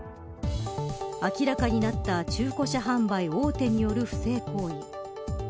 明らかになった中古車販売大手による不正行為。